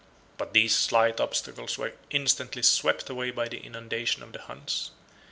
But these slight obstacles were instantly swept away by the inundation of the Huns.